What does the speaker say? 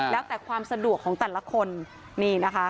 แล้วแต่ความสะดวกของแต่ละคนนี่นะคะ